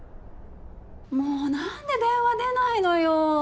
もうなんで電話出ないのよ。